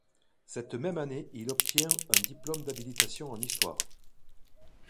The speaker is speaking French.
Cette même année, il obtient un diplôme d'habilitation en histoire.